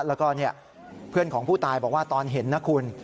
แล้วก็เพื่อนของผู้ตายบอกว่าตอนเห็นนะคุณ